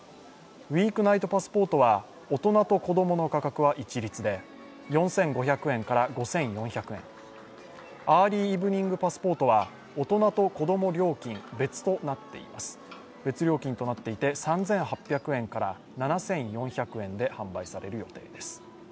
ウィークナイトパスポートは大人と子供の価格は一律で４５００円から５４００円、アーリーイブニングパスポートは大人と子供は別料金となっていて３８００円から７４００円で販売される予定です。